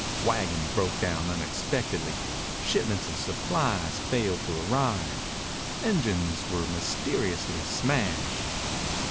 Wagons broke down unexpectedly. Shipments of supplies failed to arrive. Engines were mysteriously smashed.